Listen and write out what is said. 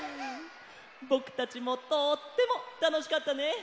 ぼくたちもとってもたのしかったね！